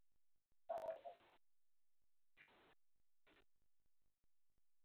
图尔库城堡是位于芬兰城市图尔库的一座中世纪建筑。